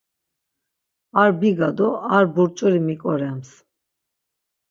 Ar biga do ar burç̌uli miǩorems.